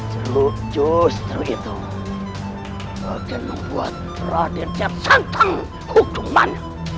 seru justru itu akan membuat perah dan siap santan hukuman